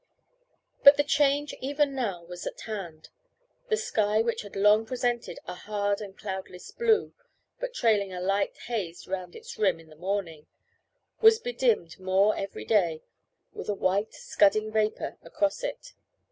But the change even now was at hand. The sky which had long presented a hard and cloudless blue, but trailing a light haze round its rim in the morning, was bedimmed more every day with a white scudding vapour across it.